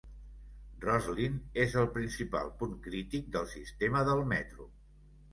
Rosslyn és el principal punt crític del sistema del Metro.